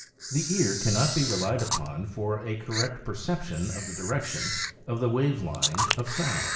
The ear cannot be relied upon for a correct percep tion of the direction of the wave lines of sound.